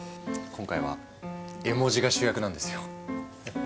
今回は絵文字が主役なんですよ。